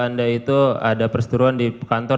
anda itu ada perseteruan di kantor